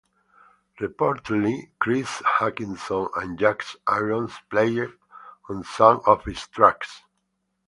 Reportedly, Chris Hutchinson and Jack Irons played on some of its tracks.